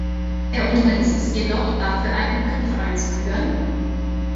Er unterließ es jedoch, dafür einen Begriff einzuführen.